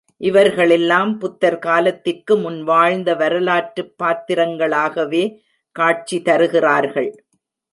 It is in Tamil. இவர்களெல்லாம் புத்தர் காலத்திற்கு முன் வாழ்ந்த வரலாற்றுப் பாத்திரங்களாகவே காட்சி தருகிறார்கள்.